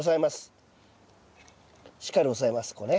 しっかり押さえますこうね。